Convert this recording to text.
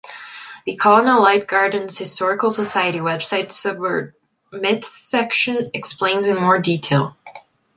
The Colonel Light Gardens Historical Society website suburb myths section explains in more detail.